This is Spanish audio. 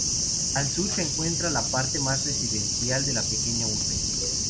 Al sur se encuentra la parte más residencial de la pequeña urbe.